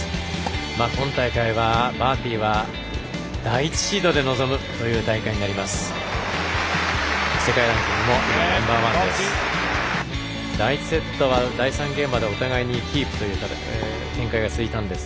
今大会はバーティは第１シードで臨む大会になります。